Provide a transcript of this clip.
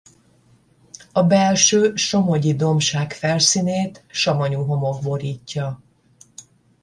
A Belső-Somogyi-dombság felszínét savanyú homok borítja.